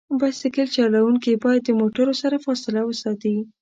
بایسکل چلونکي باید د موټرو سره فاصله وساتي.